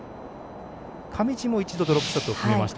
上地も一度ドロップショットを決めました。